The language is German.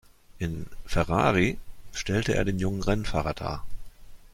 In „Ferrari“ stellte er den jungen Rennfahrer dar.